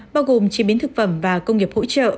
bao gồm chế biến thực phẩm và công nghiệp hỗ trợ